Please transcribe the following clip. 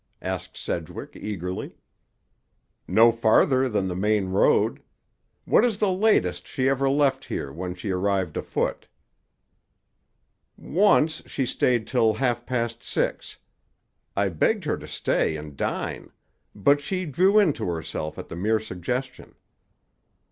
asked Sedgwick eagerly. "No farther than the main road. What is the latest she ever left here, when she arrived afoot?" "Once she stayed till half past six. I begged her to stay and dine; but she drew into herself at the mere suggestion."